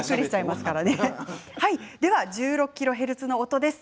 １６ｋＨｚの音です。